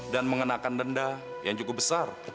dan mengenakan denda yang cukup besar